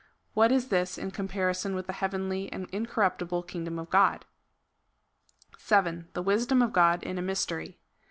What is this in comparison with the heavenly and incorruptible kingdom of God?" 7. The wisdom of God in a mystery.